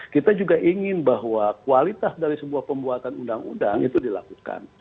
kita juga ingin bahwa kualitas dari sebuah pembuatan undang undang itu dilakukan